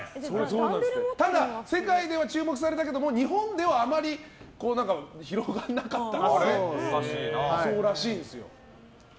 ただ世界では注目されたけども日本ではあまり広がらなかったらしいんですよ。